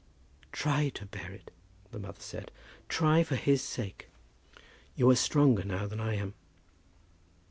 "Try to bear it," the mother said. "Try, for his sake. You are stronger now than I am."